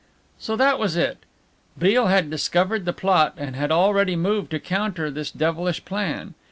So that was it! Beale had discovered the plot, and had already moved to counter this devilish plan.